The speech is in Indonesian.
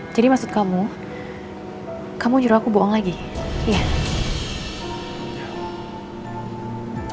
jadi maksud kamu kamu juru aku bohong lagi iya